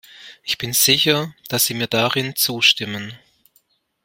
Ich bin sicher, dass Sie mir darin zustimmen.